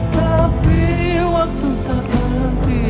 tapi waktu tak berhenti